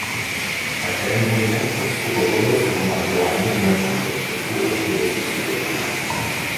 Také mimo jiné v Prusku povolil shromažďování finančních prostředků od židovských subjektů.